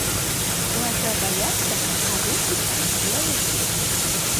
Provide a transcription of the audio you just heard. Глаза боятся, а руки-то делают!